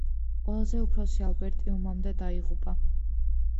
ყველაზე უფროსი, ალბერტი, ომამდე დაიღუპა.